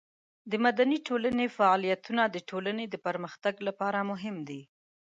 د مدني ټولنې فعالیتونه د ټولنې د پرمختګ لپاره مهم دي.